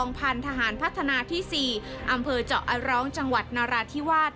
พันธหารพัฒนาที่๔อำเภอเจาะไอร้องจังหวัดนราธิวาส